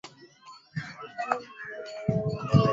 mabadiliko ya mwili yanawza kutokea pale unapopata ugonjwa wa ukimwi